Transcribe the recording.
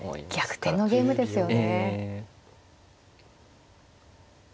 逆転のゲームですよね。